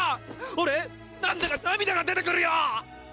俺何だか涙が出てくるよ！